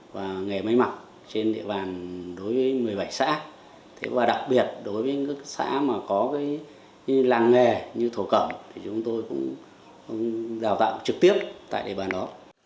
và nghề may mặc trên địa bàn đối với một mươi bảy xã và đặc biệt đối với các xã mà có làng nghề như thổ cẩm thì chúng tôi cũng đào tạo trực tiếp tại địa bàn đó